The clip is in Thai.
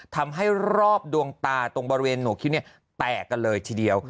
ทำให้รอบดวงตาตรงบริเวณหัวคิ้วแตกกันเลยทีเดียว